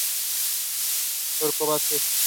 The city has its own congressional district.